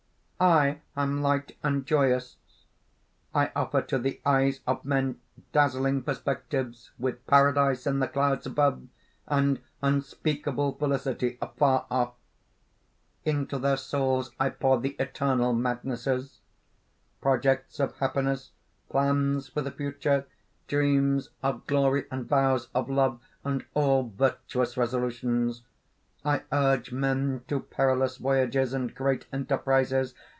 "I am light and joyous! I offer to the eyes of men dazzling perspectives with Paradise in the clouds above, and unspeakable felicity afar off. Into their souls I pour the eternal madnesses; projects of happiness, plans for the future, dreams of glory and vows of love, and all virtuous resolutions. "I urge men to perilous voyages and great enterprises.